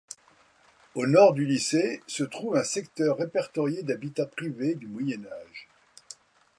Au nord du lycée, se trouve un secteur répertorié d’habitats privés du Moyen Âge.